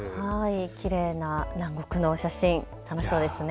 きれいな南国の写真、楽しそうですね。